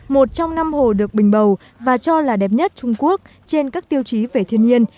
một trong năm hồ được bình bầu và cho là đẹp nhất trung quốc trên các tiêu chí về thiên nhiên